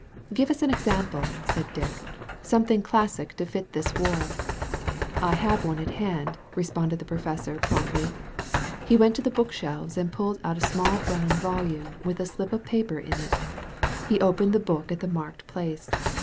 "Give us an example," said Dick; "something classic to fit this war." 201 THE VALLEY OF VISION "I have one at hand/' responded the professor promptly. He went to the book shelves and pulled out a small brown volume with a slip of paper in it. He opened the book at the marked place.'